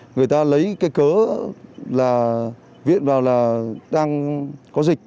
người ta lấy cái cớ là viện vào là đang có dịch